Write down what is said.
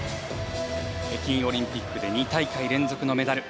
北京オリンピックで２大会連続のメダル。